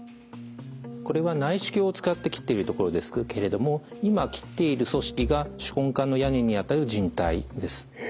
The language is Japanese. これは内視鏡を使って切っているところですけれども今切っている組織が手根管の屋根にあたる靭帯です。